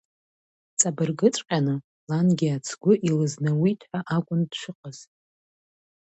Ҵабыргыцәҟьаны, лангьы ацгәы илызнауит ҳәа акәын дшыҟаз.